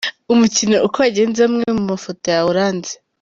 Umukino uko wagenze amwe mu mafoto yawuranze.